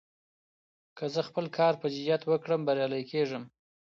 که زه خپل کار په جدیت وکړم، بريالی کېږم.